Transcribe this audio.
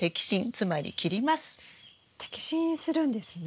摘心するんですね？